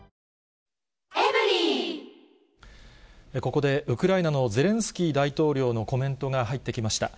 ここで、ウクライナのゼレンスキー大統領のコメントが入ってきました。